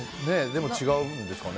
違うんですかね？